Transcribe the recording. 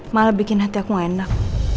malah bikin hati aku enak